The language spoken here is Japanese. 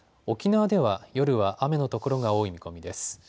沖縄では夜は雨の所が多い見込みです。